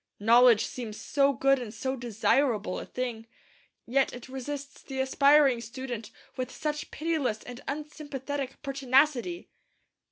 Knowledge seems so good and so desirable a thing; yet it resists the aspiring student with such pitiless and unsympathetic pertinacity.